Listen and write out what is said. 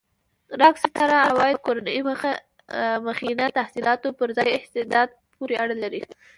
راک سټار عوایده کورنۍ مخینه تحصيلاتو پر ځای استعداد پورې اړه لري.